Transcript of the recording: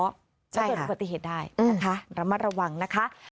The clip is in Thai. เรือประติเหตุได้นะคะระมัดระวังนะคะ